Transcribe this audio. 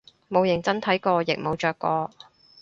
冇認真睇過亦冇着過